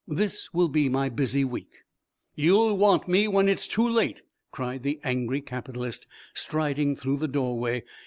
This will be my busy week." "You'll want me when, it's too late," cried the angry capitalist, striding through the doorway.